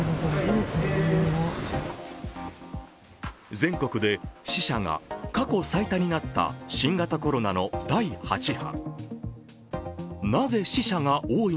全国で死者が過去最多になった新型コロナの第８波。